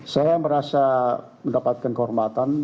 saya merasa mendapatkan kehormatan